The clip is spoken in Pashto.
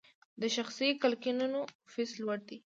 د شخصي کلینیکونو فیس لوړ دی؟